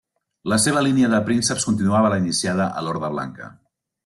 La seva línia de prínceps continuava la iniciada a l'Horda Blanca.